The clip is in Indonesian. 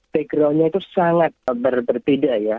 backgroundnya itu sangat berbeda